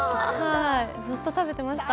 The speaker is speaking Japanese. ずっと食べてました。